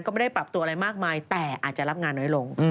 ก็ไม่ได้ปรับตัวอะไรมากมายแต่อาจจะรับงานน้อยลง